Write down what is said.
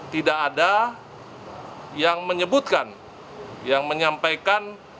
tidak ada yang menyebutkan yang menyampaikan